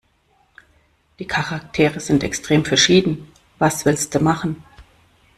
Die Charaktere sind extrem verschieden. Was willste machen?